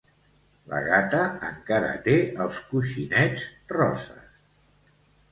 La gata encara té els coixinets roses.